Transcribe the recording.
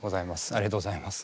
ありがとうございます。